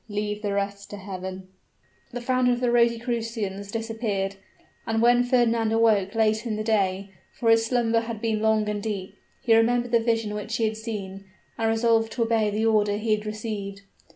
Leave the rest to Heaven." The founder of the Rosicrucians disappeared: and when Fernand awoke late in the day for his slumber had been long and deep he remembered the vision which he had seen, and resolved to obey the order he had received.